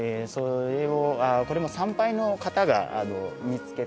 これも参拝の方が見つけた。